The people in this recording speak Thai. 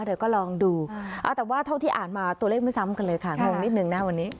เดี๋ยวก็ลองดูเอาแต่ว่าเท่าที่อ่านมาตัวเลขไม่ซ้ำกันเลยค่ะงงนิดนึงนะวันนี้